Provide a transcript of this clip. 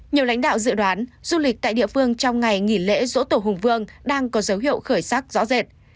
nhiều lãnh đạo dự đoán du lịch tại địa phương trong ngày nghỉ lễ dỗ tổ hùng vương đang có dấu hiệu khởi sắc rõ rệt